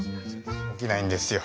起きないんですよ。